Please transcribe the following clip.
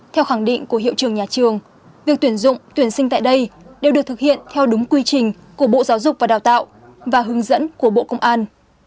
theo khẳng định của hiệu trường nhà trường việc tuyển dụng tuyển sinh tại đây đều được thực hiện theo đúng quy trình của bộ giáo dục và đào tạo và hướng dẫn của bộ công an